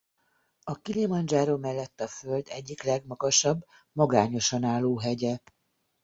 A Kilimandzsáró mellett a Föld egyik legmagasabb magányosan álló hegye.